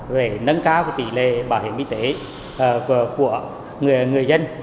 về nâng cao tỷ lệ bảo hiểm y tế của người dân